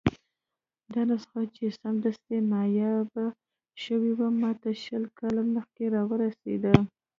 دا نسخه چې سمدستي نایابه شوې وه، ماته شل کاله مخکې راورسېده.